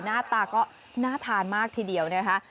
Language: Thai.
หน้าตาก็น่าทานมากทีเดียวนะคะ